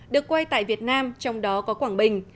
được quay tại việt nam trong đó có quảng bình